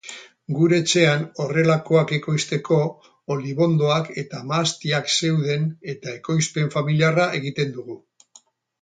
Gure etxean horrelakoak ekoizteko olibondoak eta mahastiak zeuden eta ekoizpen familiarra egiten dugu.